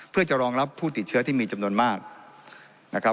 เพื่อจะรองรับผู้ติดเชื้อที่มีจำนวนมากนะครับ